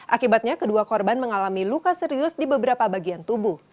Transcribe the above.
akibatnya kedua korban mengalami luka serius di beberapa bagian tubuh